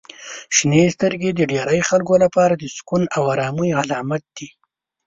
• شنې سترګې د ډیری خلکو لپاره د سکون او آرامۍ علامت دي.